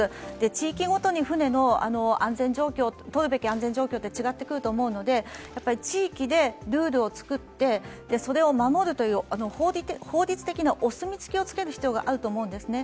地域ごとに船のとるべき安全状況って違ってくると思うので地域でルールを作って、それを守るという法律的なお墨付きをつける必要があると思うんですね。